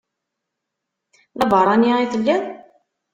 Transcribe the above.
D abeṛṛani i telliḍ?